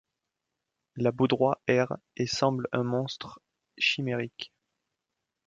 La baudroie erre et semble un monstre chimérique ;